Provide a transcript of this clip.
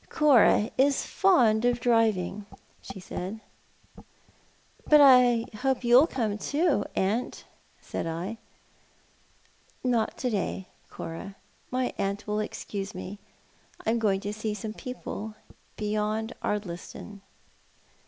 " Cora is fond of driving," she said. " But you'll come too, I hope, aunt,"' said I. " Not to day, Cora. My aunt will excuse me. I am going to see some peoj^Ie beyond Ardliston."